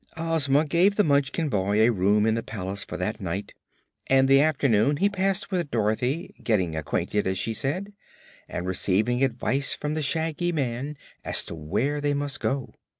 Ozma gave the Munchkin boy a room in the palace for that night and the afternoon he passed with Dorothy getting acquainted, as she said and receiving advice from the Shaggy Man as to where they must go.